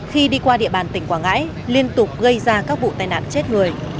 khi đi qua địa bàn tỉnh quảng ngãi liên tục gây ra các vụ tai nạn chết người